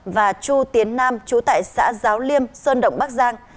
và chu tiến nam chú tại xã giáo liêm sơn động bắc giang